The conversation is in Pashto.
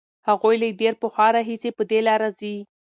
هغوی له ډېر پخوا راهیسې په دې لاره ځي.